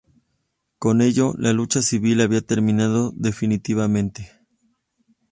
Con ello, la lucha civil había terminado definitivamente.